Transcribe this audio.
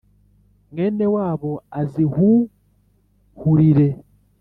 mwene wabo azihuhurire